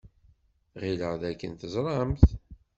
Ɣileɣ dakken teẓramt.